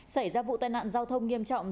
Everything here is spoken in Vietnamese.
xảy ra vụ tai nạn giao thông nghiêm trọng